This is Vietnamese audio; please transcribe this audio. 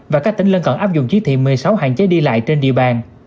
và các tỉnh lân cận áp dụng chí thị một mươi sáu hạn chế đi lại trên địa bàn